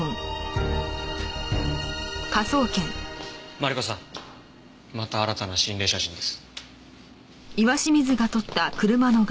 マリコさんまた新たな心霊写真です。